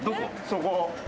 そこ。